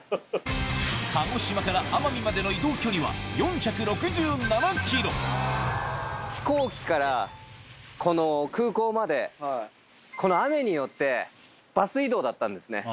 鹿児島から奄美までの移動距離は４６７ｋｍ飛行機からこの空港までこの雨によってバス移動だったんですね。